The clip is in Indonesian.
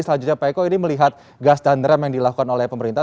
selanjutnya pak eko ini melihat gas dan rem yang dilakukan oleh pemerintah